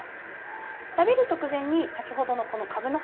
食べる直前に、先ほどのかぶの葉